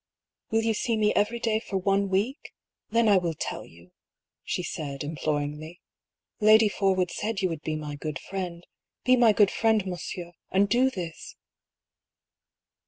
"Will you see me every day for one week? then I will tell you," she said, imploringly. " Lady Porwood said you would be my good friend. Be my good friend, monsieur, and do this